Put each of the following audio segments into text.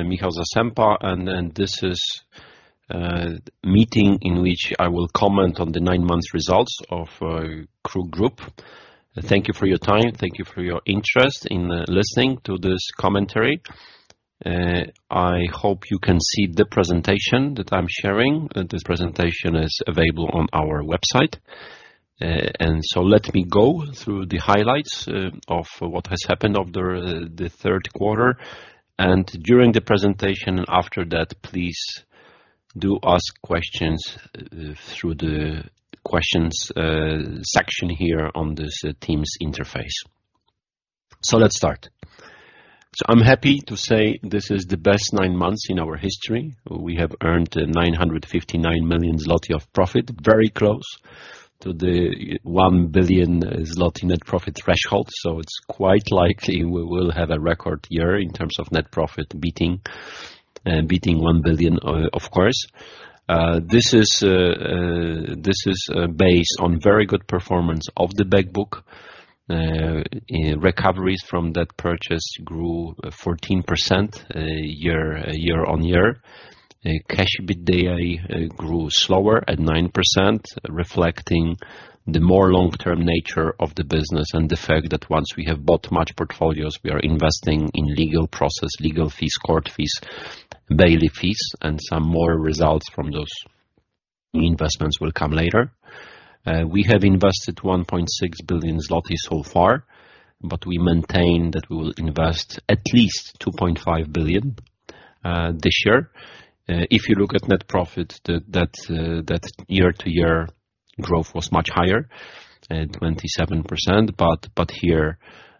Michał Zasępa, and this is a meeting in which I will comment on the nine-month results of KRUK Group. Thank you for your time. Thank you for your interest in listening to this commentary. I hope you can see the presentation that I'm sharing. This presentation is available on our website. And so let me go through the highlights of what has happened over the third quarter. And during the presentation and after that, please do ask questions through the questions section here on this Teams interface. So let's start. So I'm happy to say this is the best nine months in our history. We have earned 959 million zloty of profit, very close to the 1 billion zloty net profit threshold. So it's quite likely we will have a record year in terms of net profit beating 1 billion, of course. This is based on very good performance of the backbook. Recoveries from that purchase grew 14% year-on-year. Cash EBITDA grew slower at 9%, reflecting the more long-term nature of the business and the fact that once we have bought such portfolios, we are investing in legal process, legal fees, court fees, bailiff fees, and some more results from those investments will come later. We have invested 1.6 billion zloty so far, but we maintain that we will invest at least 2.5 billion this year. If you look at net profit, that year-to-year growth was much higher, 27%. But here,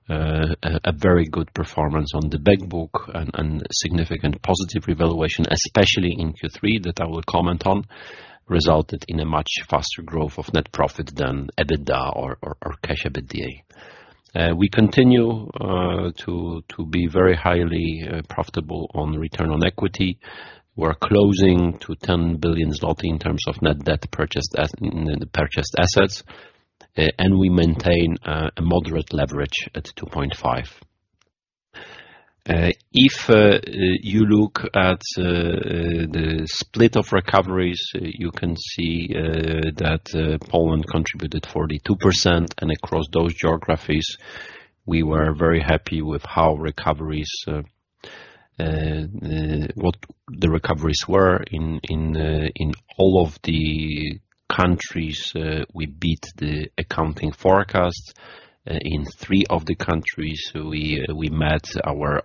a very good performance on the backbook and significant positive revaluation, especially in Q3 that I will comment on, resulted in a much faster growth of net profit than EBITDA or cash EBITDA. We continue to be very highly profitable on return on equity. We're closing to 10 billion zloty in terms of net purchased assets, and we maintain a moderate leverage at 2.5. If you look at the split of recoveries, you can see that Poland contributed 42%, and across those geographies, we were very happy with how the recoveries were in all of the countries. We beat the accounting forecast. In three of the countries, we met our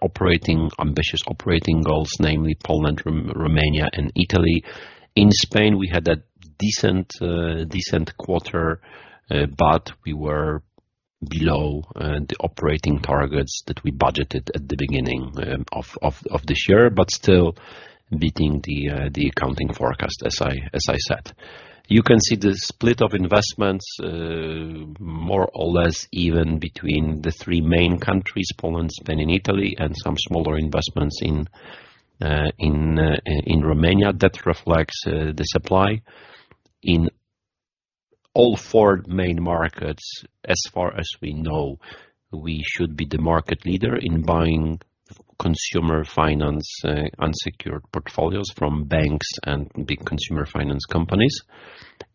ambitious operating goals, namely Poland, Romania, and Italy. In Spain, we had a decent quarter, but we were below the operating targets that we budgeted at the beginning of this year, but still beating the accounting forecast, as I said. You can see the split of investments more or less even between the three main countries, Poland, Spain, and Italy, and some smaller investments in Romania that reflects the supply. In all four main markets, as far as we know, we should be the market leader in buying consumer finance unsecured portfolios from banks and big consumer finance companies,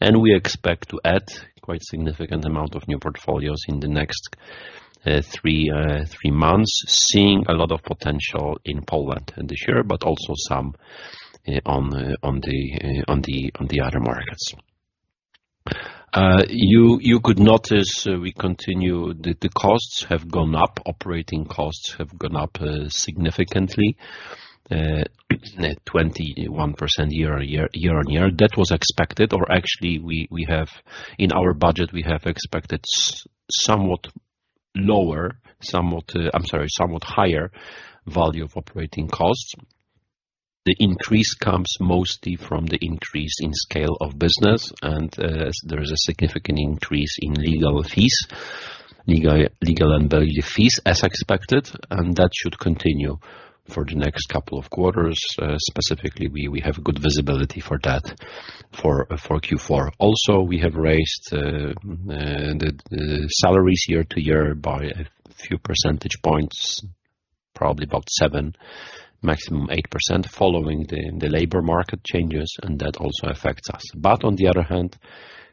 and we expect to add quite a significant amount of new portfolios in the next three months, seeing a lot of potential in Poland this year, but also some on the other markets. You could notice, we continue, the costs have gone up. Operating costs have gone up significantly, 21% year-on-year. That was expected, or actually, in our budget, we have expected somewhat lower, I'm sorry, somewhat higher value of operating costs. The increase comes mostly from the increase in scale of business, and there is a significant increase in legal fees, legal and bailiff fees, as expected, and that should continue for the next couple of quarters. Specifically, we have good visibility for that for Q4. Also, we have raised the salaries year-to-year by a few percentage points, probably about 7%, maximum 8%, following the labor market changes, and that also affects us. But on the other hand,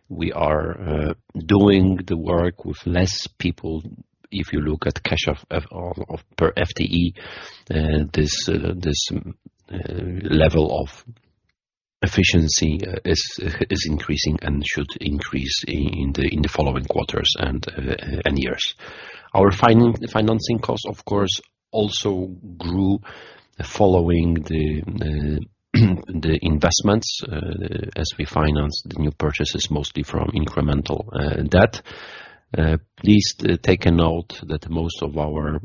we are doing the work with less people. If you look at cash per FTE, this level of efficiency is increasing and should increase in the following quarters and years. Our financing costs, of course, also grew following the investments as we financed the new purchases, mostly from incremental debt. Please take a note that most of our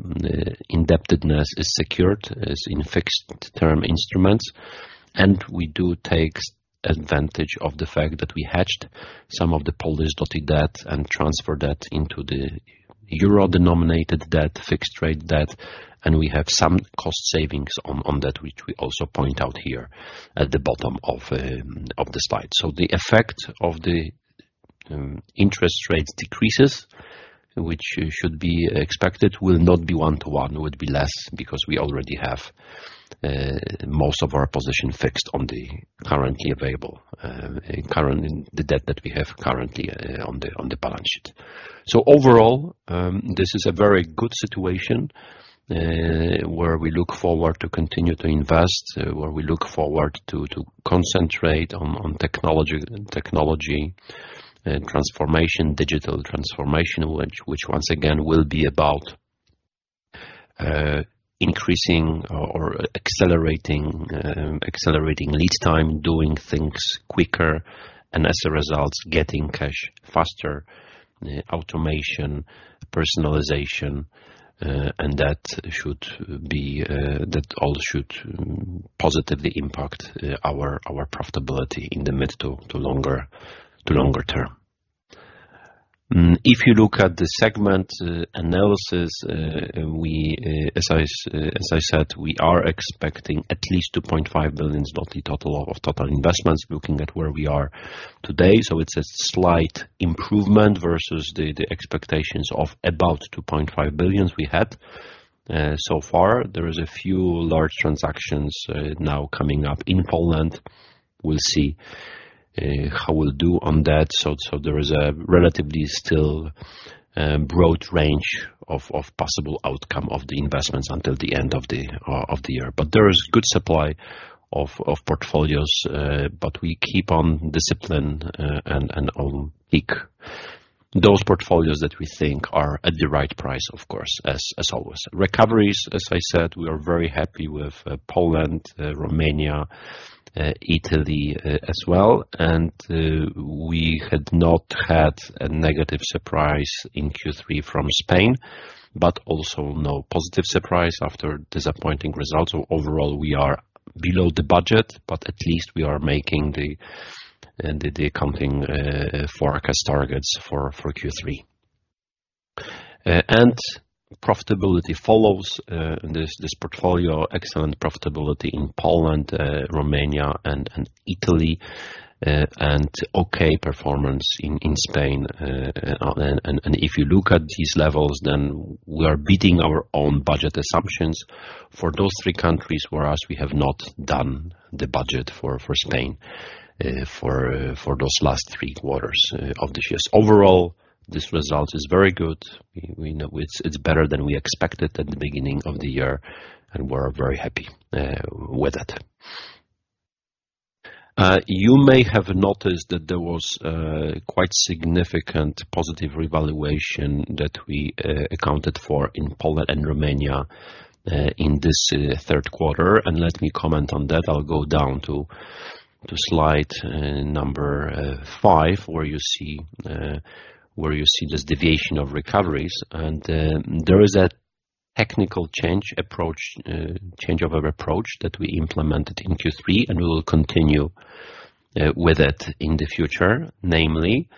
indebtedness is secured in fixed-term instruments, and we do take advantage of the fact that we hedged some of the Polish zloty debt and transferred that into the euro-denominated debt, fixed-rate debt, and we have some cost savings on that, which we also point out here at the bottom of the slide. So the effect of the interest rate decreases, which should be expected, will not be one-to-one. It would be less because we already have most of our position fixed on the currently available, the debt that we have currently on the balance sheet, so overall, this is a very good situation where we look forward to continue to invest, where we look forward to concentrate on technology transformation, digital transformation, which once again will be about increasing or accelerating lead time, doing things quicker, and as a result, getting cash faster, automation, personalization, and that all should positively impact our profitability in the mid to longer term. If you look at the segment analysis, as I said, we are expecting at least 2.5 billion total of investments, looking at where we are today. It's a slight improvement versus the expectations of about 2.5 billion we had so far. There are a few large transactions now coming up in Poland. We'll see how we'll do on that. So there is a relatively still broad range of possible outcome of the investments until the end of the year. But there is good supply of portfolios, but we keep on discipline and on keep those portfolios that we think are at the right price, of course, as always. Recoveries, as I said, we are very happy with Poland, Romania, Italy as well. And we had not had a negative surprise in Q3 from Spain, but also no positive surprise after disappointing results. So overall, we are below the budget, but at least we are making the accounting forecast targets for Q3. And profitability follows. This portfolio, excellent profitability in Poland, Romania, and Italy, and okay performance in Spain. And if you look at these levels, then we are beating our own budget assumptions for those three countries, whereas we have not done the budget for Spain for those last three quarters of this year. So overall, this result is very good. It's better than we expected at the beginning of the year, and we're very happy with it. You may have noticed that there was quite significant positive revaluation that we accounted for in Poland and Romania in this third quarter. And let me comment on that. I'll go down to slide number five, where you see this deviation of recoveries. And there is a technical change of approach that we implemented in Q3, and we will continue with it in the future. Namely,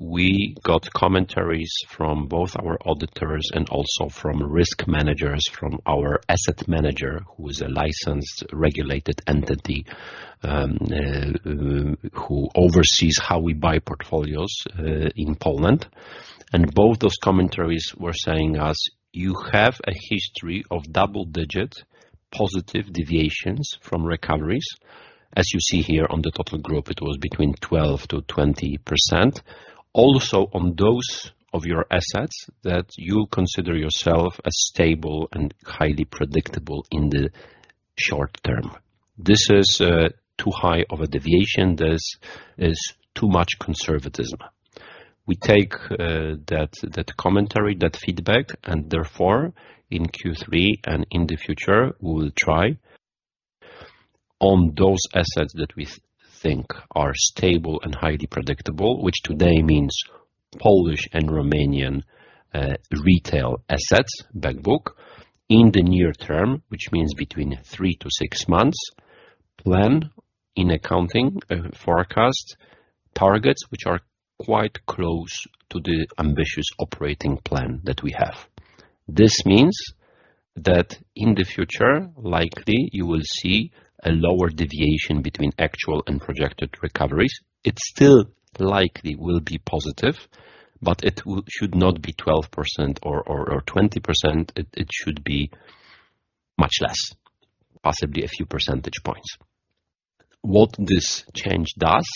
we got commentaries from both our auditors and also from risk managers, from our asset manager, who is a licensed regulated entity who oversees how we buy portfolios in Poland. Both those commentaries were saying to us, "You have a history of double-digit positive deviations from recoveries." As you see here on the total group, it was between 12%-20%. Also on those of your assets that you consider yourself as stable and highly predictable in the short term. This is too high of a deviation. This is too much conservatism. We take that commentary, that feedback, and therefore in Q3 and in the future, we will try on those assets that we think are stable and highly predictable, which today means Polish and Romanian retail assets, backbook, in the near term, which means between three to six months, plan in accounting forecast targets, which are quite close to the ambitious operating plan that we have. This means that in the future, likely you will see a lower deviation between actual and projected recoveries. It still likely will be positive, but it should not be 12% or 20%. It should be much less, possibly a few percentage points. What this change does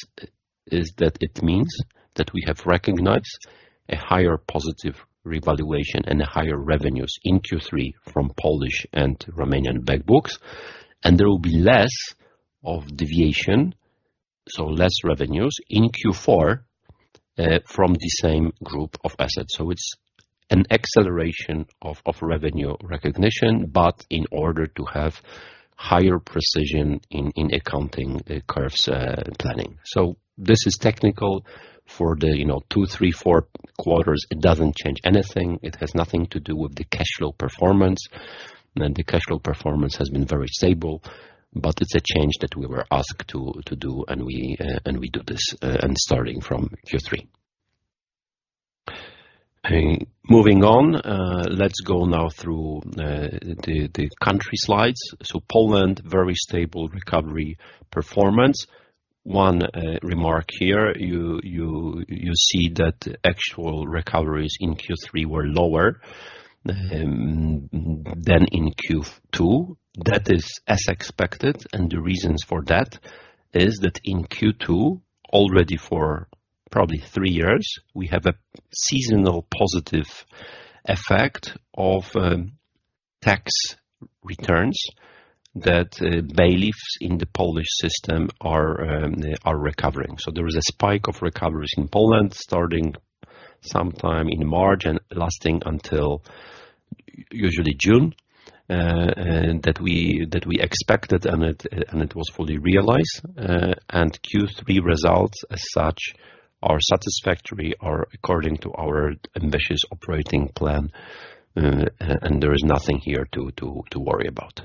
is that it means that we have recognized a higher positive revaluation and higher revenues in Q3 from Polish and Romanian backbooks, and there will be less of deviation, so less revenues in Q4 from the same group of assets. So it's an acceleration of revenue recognition, but in order to have higher precision in accounting curves planning. So this is technical for the two, three, four quarters. It doesn't change anything. It has nothing to do with the cash flow performance. And the cash flow performance has been very stable, but it's a change that we were asked to do, and we do this starting from Q3. Moving on, let's go now through the country slides. So Poland, very stable recovery performance. One remark here. You see that actual recoveries in Q3 were lower than in Q2. That is as expected. The reasons for that is that in Q2, already for probably three years, we have a seasonal positive effect of tax returns that bailiffs in the Polish system are recovering. There is a spike of recoveries in Poland starting sometime in March and lasting until usually June that we expected, and it was fully realized. Q3 results as such are satisfactory or according to our ambitious operating plan, and there is nothing here to worry about.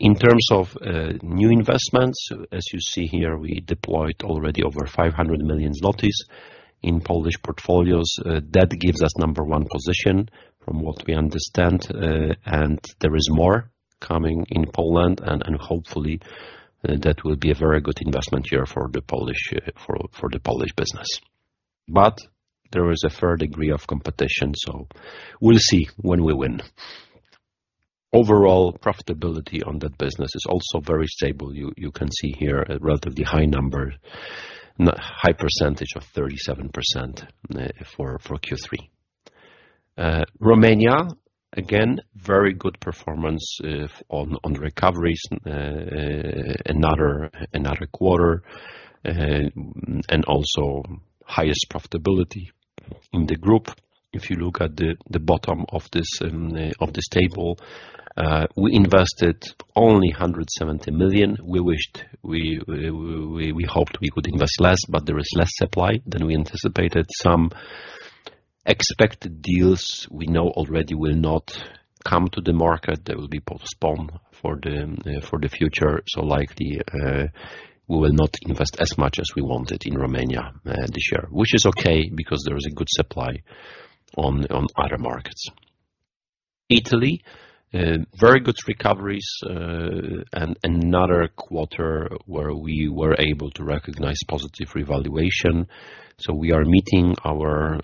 In terms of new investments, as you see here, we deployed already over 500 million zlotys in Polish portfolios. That gives us number one position from what we understand, and there is more coming in Poland, and hopefully, that will be a very good investment year for the Polish business. There is a fair degree of competition, so we'll see when we win. Overall, profitability on that business is also very stable. You can see here a relatively high number, high percentage of 37% for Q3. Romania, again, very good performance on recoveries another quarter and also highest profitability in the group. If you look at the bottom of this table, we invested only 170 million. We hoped we could invest less, but there is less supply than we anticipated. Some expected deals we know already will not come to the market. They will be postponed for the future. So likely, we will not invest as much as we wanted in Romania this year, which is okay because there is a good supply on other markets. Italy, very good recoveries and another quarter where we were able to recognize positive revaluation. So we are meeting our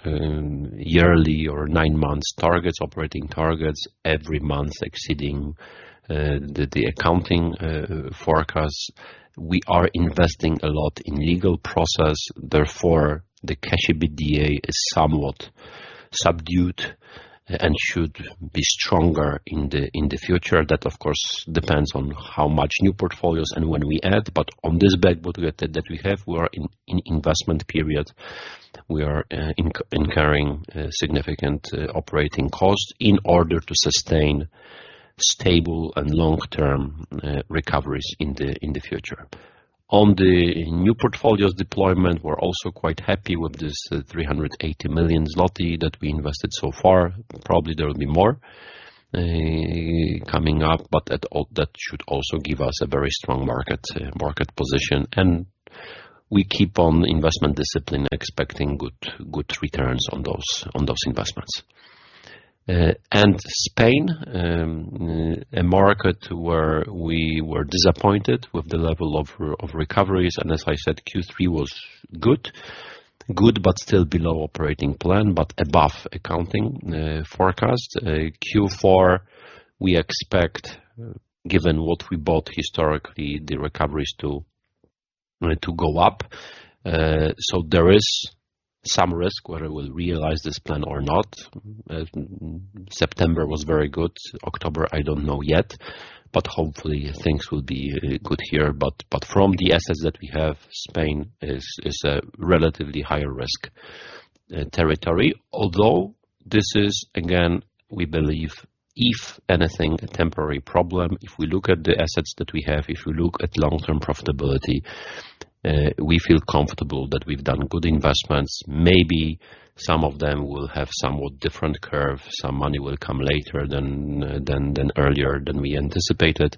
yearly or nine-month targets, operating targets every month exceeding the accounting forecasts. We are investing a lot in legal process. Therefore, the cash EBITDA is somewhat subdued and should be stronger in the future. That, of course, depends on how much new portfolios and when we add. But on this backbook that we have, we are in investment period. We are incurring significant operating costs in order to sustain stable and long-term recoveries in the future. On the new portfolios deployment, we're also quite happy with this 380 million zloty that we invested so far. Probably there will be more coming up, but that should also give us a very strong market position. And we keep on investment discipline expecting good returns on those investments. And Spain, a market where we were disappointed with the level of recoveries. And as I said, Q3 was good, good, but still below operating plan, but above accounting forecast. Q4, we expect, given what we bought historically, the recoveries to go up. So there is some risk whether we realize this plan or not. September was very good. October, I don't know yet, but hopefully, things will be good here. But from the assets that we have, Spain is a relatively higher risk territory. Although this is, again, we believe, if anything, a temporary problem. If we look at the assets that we have, if we look at long-term profitability, we feel comfortable that we've done good investments. Maybe some of them will have somewhat different curve. Some money will come later than earlier than we anticipated,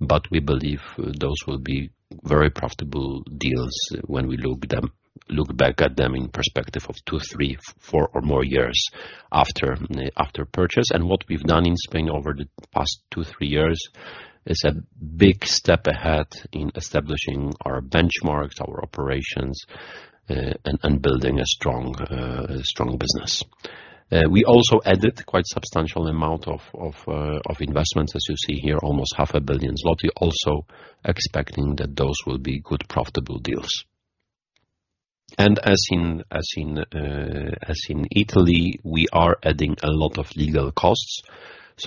but we believe those will be very profitable deals when we look back at them in perspective of two, three, four, or more years after purchase. What we've done in Spain over the past two, three years is a big step ahead in establishing our benchmarks, our operations, and building a strong business. We also added quite a substantial amount of investments, as you see here, almost 500 million zloty, also expecting that those will be good, profitable deals. As in Italy, we are adding a lot of legal costs.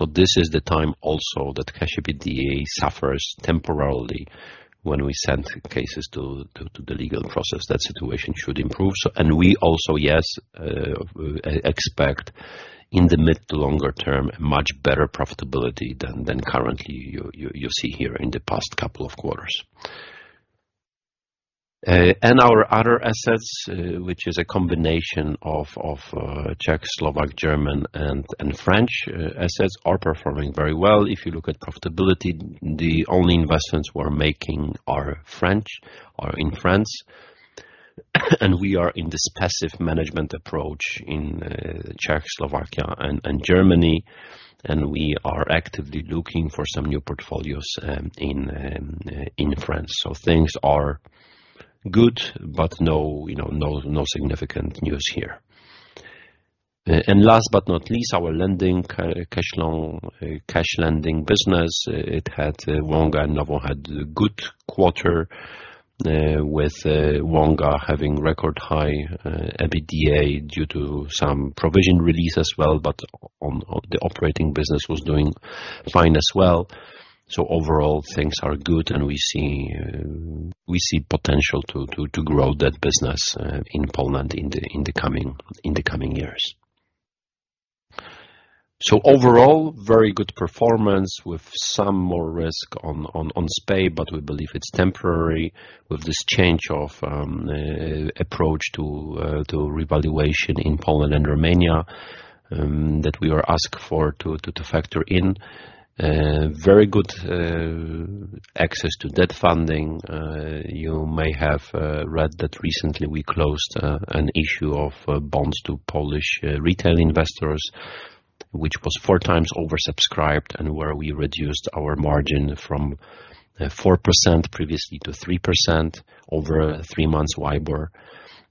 This is the time also that Cash EBITDA suffers temporarily when we send cases to the legal process. That situation should improve. We also, yes, expect in the mid to longer term a much better profitability than currently you see here in the past couple of quarters. Our other assets, which is a combination of Czech, Slovak, German, and French assets, are performing very well. If you look at profitability, the only investments we're making are French or in France. We are in this passive management approach in Czech, Slovakia, and Germany. We are actively looking for some new portfolios in France. Things are good, but no significant news here. Last but not least, our cash lending business, it had Wonga and Novum had a good quarter with Wonga having record high EBITDA due to some provision release as well, but the operating business was doing fine as well. Overall, things are good, and we see potential to grow that business in Poland in the coming years. Overall, very good performance with some more risk on Spain, but we believe it's temporary with this change of approach to revaluation in Poland and Romania that we were asked for to factor in. Very good access to debt funding. You may have read that recently we closed an issue of bonds to Polish retail investors, which was four times oversubscribed, and where we reduced our margin from 4% previously to 3% over three months' WIBOR,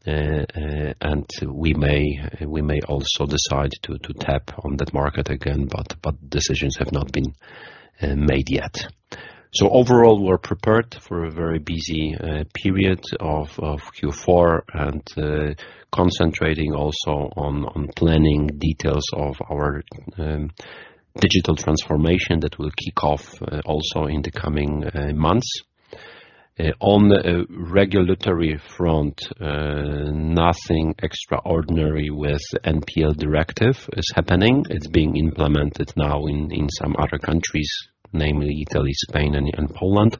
and we may also decide to tap on that market again, but decisions have not been made yet, so overall, we're prepared for a very busy period of Q4 and concentrating also on planning details of our digital transformation that will kick off also in the coming months. On the regulatory front, nothing extraordinary with the NPL Directive is happening. It's being implemented now in some other countries, namely Italy, Spain, and Poland.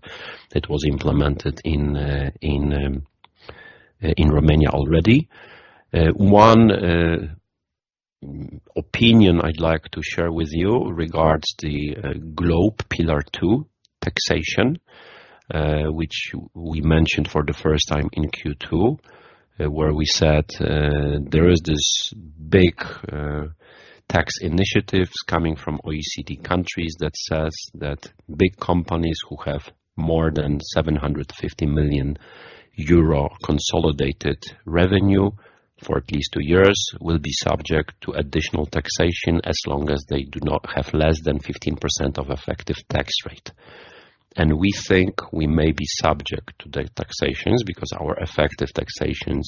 It was implemented in Romania already. One opinion I'd like to share with you regards the GloBE Pillar Two taxation, which we mentioned for the first time in Q2, where we said there is this big tax initiative coming from OECD countries that says that big companies who have more than 750 million euro consolidated revenue for at least two years will be subject to additional taxation as long as they do not have less than 15% of effective tax rate. And we think we may be subject to the taxation because our effective taxation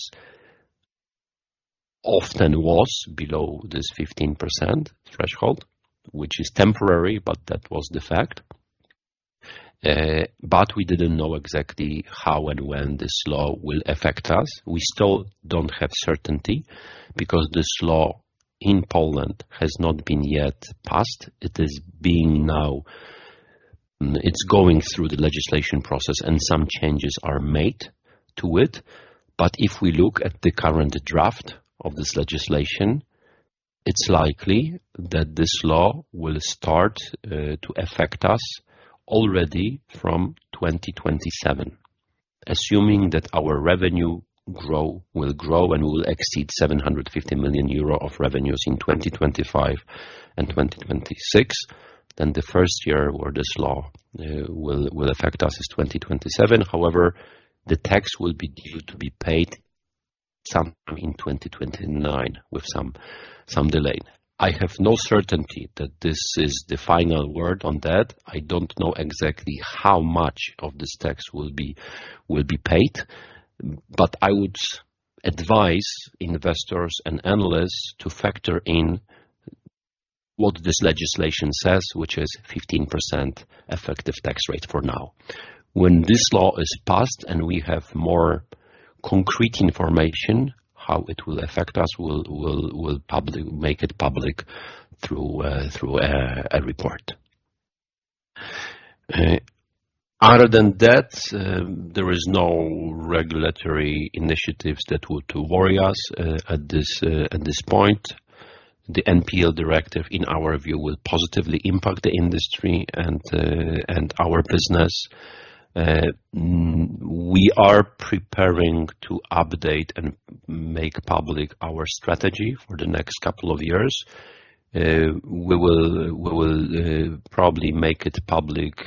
often was below this 15% threshold, which is temporary, but that was the fact. But we didn't know exactly how and when this law will affect us. We still don't have certainty because this law in Poland has not been yet passed. It is being. Now it's going through the legislation process, and some changes are made to it. But if we look at the current draft of this legislation, it's likely that this law will start to affect us already from 2027. Assuming that our revenue will grow and will exceed 750 million euro of revenues in 2025 and 2026, then the first year where this law will affect us is 2027. However, the tax will be due to be paid sometime in 2029 with some delay. I have no certainty that this is the final word on that. I don't know exactly how much of this tax will be paid, but I would advise investors and analysts to factor in what this legislation says, which is 15% effective tax rate for now. When this law is passed and we have more concrete information, how it will affect us, we'll make it public through a report. Other than that, there is no regulatory initiatives that would worry us at this point. The NPL Directive, in our view, will positively impact the industry and our business. We are preparing to update and make public our strategy for the next couple of years. We will probably make it public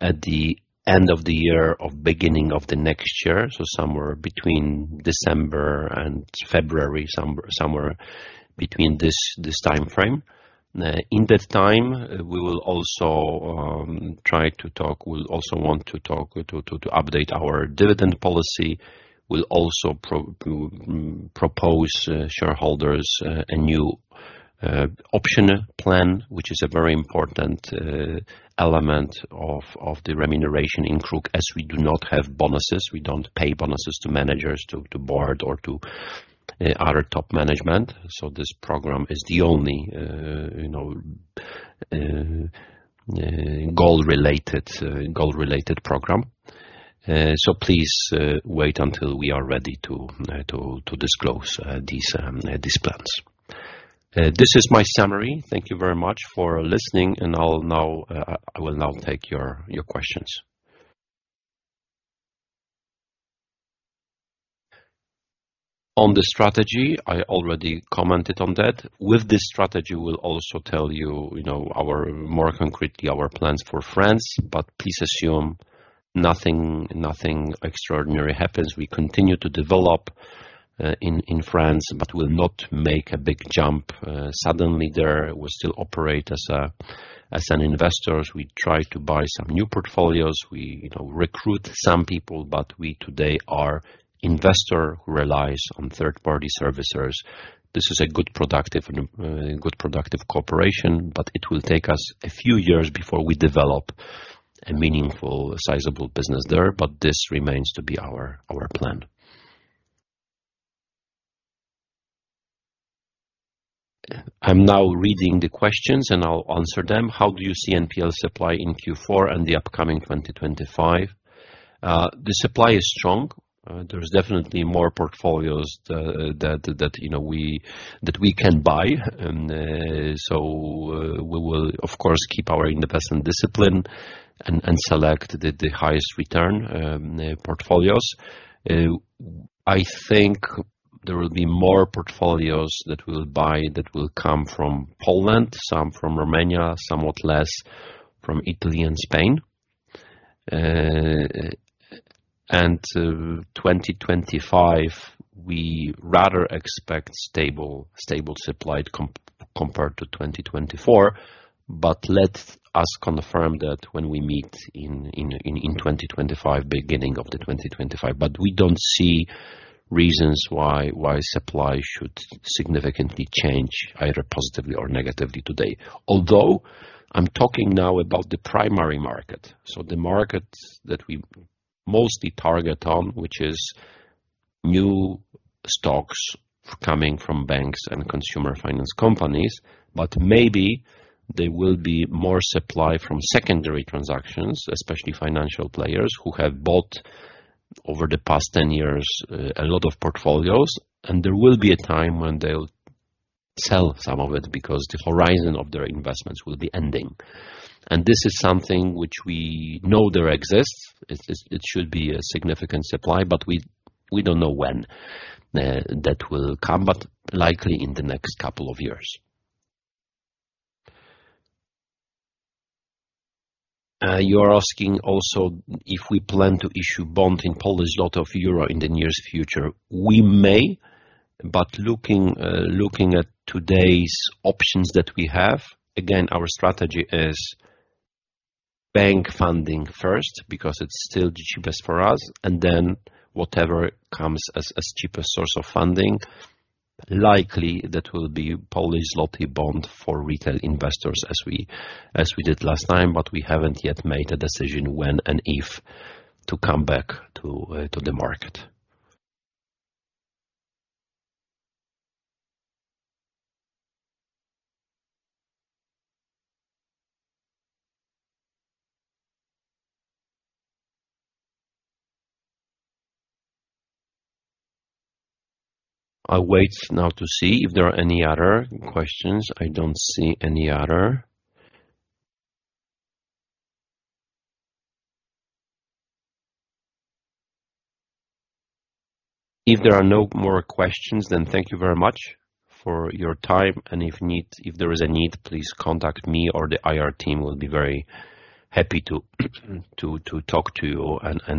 at the end of the year or beginning of the next year, so somewhere between December and February, somewhere between this time frame. In that time, we will also try to talk, we'll also want to talk to update our dividend policy. We'll also propose shareholders a new option plan, which is a very important element of the remuneration in KRUK. As we do not have bonuses, we don't pay bonuses to managers, to board, or to other top management. So this program is the only goal-related program. So please wait until we are ready to disclose these plans. This is my summary. Thank you very much for listening, and I will now take your questions. On the strategy, I already commented on that. With this strategy, we'll also tell you more concretely our plans for France, but please assume nothing extraordinary happens. We continue to develop in France, but we'll not make a big jump suddenly there. We still operate as an investor. We try to buy some new portfolios. We recruit some people, but we today are investors who rely on third-party servicers. This is a good productive cooperation, but it will take us a few years before we develop a meaningful, sizable business there. But this remains to be our plan. I'm now reading the questions, and I'll answer them. How do you see NPL supply in Q4 and the upcoming 2025? The supply is strong. There's definitely more portfolios that we can buy. So we will, of course, keep our investment discipline and select the highest-return portfolios. I think there will be more portfolios that we will buy that will come from Poland, some from Romania, somewhat less from Italy and Spain, and 2025, we rather expect stable supply compared to 2024, but let us confirm that when we meet in 2025, beginning of the 2025, but we don't see reasons why supply should significantly change, either positively or negatively today, although I'm talking now about the primary market, so the market that we mostly target on, which is new stocks coming from banks and consumer finance companies, but maybe there will be more supply from secondary transactions, especially financial players who have bought over the past 10 years a lot of portfolios. And there will be a time when they'll sell some of it because the horizon of their investments will be ending. And this is something which we know there exists. It should be a significant supply, but we don't know when that will come, but likely in the next couple of years. You're asking also if we plan to issue bonds in Polish zloty or euro in the near future. We may, but looking at today's options that we have, again, our strategy is bank funding first because it's still the cheapest for us, and then whatever comes as cheapest source of funding, likely that will be Polish zloty bond for retail investors as we did last time, but we haven't yet made a decision when and if to come back to the market. I'll wait now to see if there are any other questions. I don't see any other. If there are no more questions, then thank you very much for your time, and if there is a need, please contact me or the IR team. We'll be very happy to talk to you and.